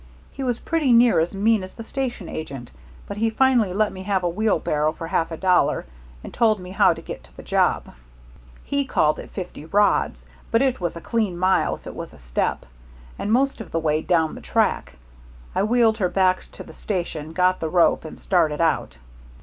He was pretty near as mean as the station agent, but he finally let me have a wheelbarrow for half a dollar, and told me how to get to the job. "He called it fifty rods, but it was a clean mile if it was a step, and most of the way down the track. I wheeled her back to the station, got the rope, and started out.